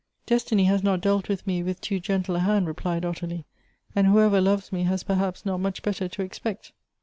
"Destiny has not dealt with me with too gentle a hand," replied Ottilie ;" and whoever loves me has per haps not much better to expect.